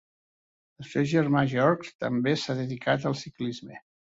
El seu germà Georg també s'ha dedicat al ciclisme.